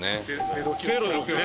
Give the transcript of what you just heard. ゼロですよね。